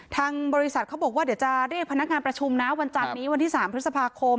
ทางบริษัทเขาบอกว่าเดี๋ยวจะเรียกพนักงานประชุมนะวันจันนี้วันที่๓พฤษภาคม